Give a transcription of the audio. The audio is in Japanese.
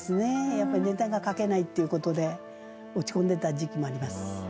やっぱりネタが書けないっていう事で落ち込んでた時期もあります。